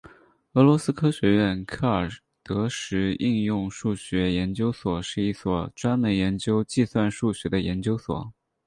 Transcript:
俄罗斯科学院克尔德什应用数学研究所是一所专门研究计算数学的研究所。